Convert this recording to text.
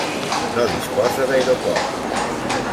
No disposa d'aeroport.